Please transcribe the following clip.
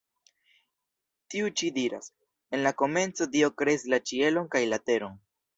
Tiu ĉi diras: “En la komenco Dio kreis la ĉielon kaj la teron.